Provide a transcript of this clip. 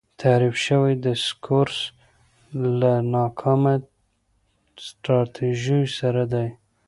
تحریف شوی دسکورس له ناکامه سټراټیژیو سره دی.